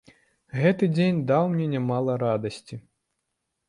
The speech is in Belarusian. Гэты дзень даў мне нямала радасці.